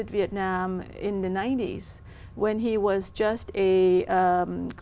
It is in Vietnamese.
việt nam đã được